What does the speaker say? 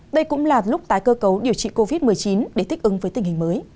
đây cũng là lúc tái cơ cấu điều trị covid một mươi chín để thích ứng với tình hình mới